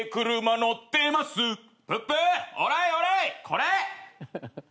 これ！